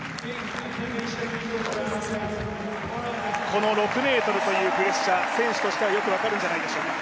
この６ｍというプレッシャー、選手としてはよく分かるんじゃないでしょうか？